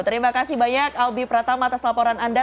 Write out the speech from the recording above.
terima kasih banyak albi pratama atas laporan anda